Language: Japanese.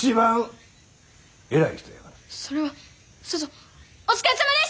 それはさぞお疲れさまです！